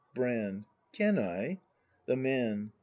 Brand. Can I? The Man.